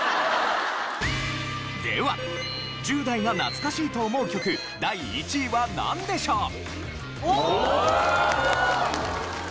では１０代が懐かしいと思う曲第１位はなんでしょう？